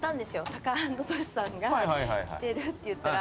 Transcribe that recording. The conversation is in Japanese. タカアンドトシさんが来てるって言ったら。